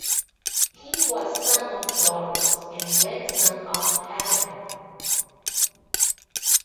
He was son of Dorus and grandson of Hellen.